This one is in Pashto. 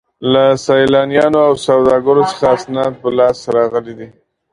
له سیلانیانو او سوداګرو څخه اسناد په لاس راغلي دي.